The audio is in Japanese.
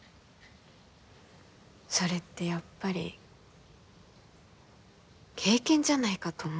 それってやっぱり経験じゃないかと思うんだよね。